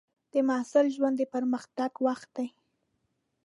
د محصل ژوند د پرمختګ وخت دی.